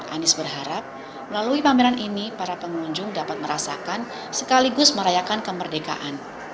anies berharap melalui pameran ini para pengunjung dapat merasakan sekaligus merayakan kemerdekaan